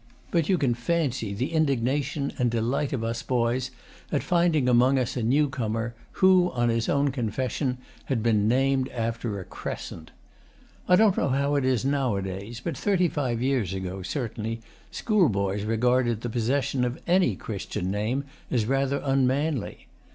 But you can fancy the indignation and delight of us boys at finding among us a newcomer who, on his own confession, had been named after a Crescent. I don't know how it is nowadays, but thirty five years ago, certainly, schoolboys regarded the possession of ANY Christian name as rather unmanly.